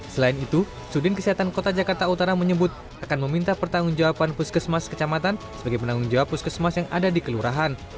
selain itu sudin kesehatan kota jakarta utara menyebut akan meminta pertanggung jawaban puskesmas kecamatan sebagai penanggung jawab puskesmas yang ada di kelurahan